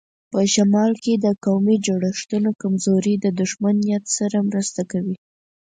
په شمال کې د قومي جوړښتونو کمزوري د دښمن نیت سره مرسته کوي.